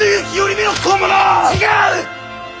違う！